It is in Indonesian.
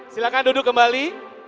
silakan duduk kembali